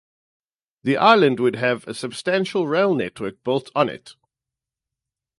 The island would have a substantial rail network built on it.